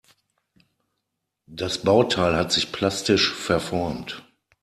Das Bauteil hat sich plastisch verformt.